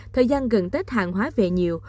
thời gian gần tết hàng hóa về nhiều